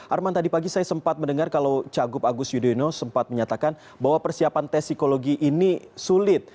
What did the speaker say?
arman tadi pagi saya sempat mendengar kalau cagup agus yudhoyono sempat menyatakan bahwa persiapan tes psikologi ini sulit